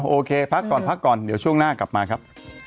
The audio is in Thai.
โอเคพักก่อนพักก่อนเดี๋ยวช่วงหน้ากลับมาครับ